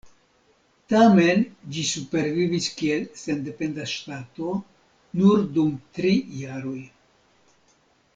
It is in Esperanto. Tamen ĝi supervivis kiel sendependa ŝtato nur dum tri jaroj.